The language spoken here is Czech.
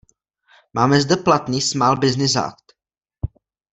Máme zde platný Small business act.